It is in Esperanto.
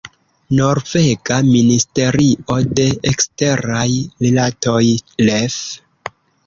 Norvega ministerio de eksteraj rilatoj, ref.